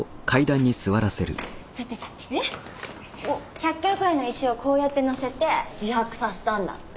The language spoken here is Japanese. １００ｋｇくらいの石をこうやって載せて自白させたんだって。